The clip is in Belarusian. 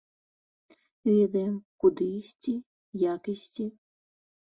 Ведаем, куды ісці, як ісці.